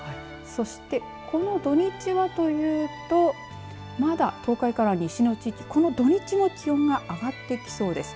そして、この土日はというとまだ東海から西の地域この土日は気温が上がってきそうです。